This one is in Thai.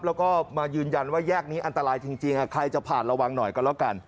แล้วก็มายืนยันว่าแยกนี้อันตรายจริงใครจะผ่านระวังหน่อยก็แล้วกัน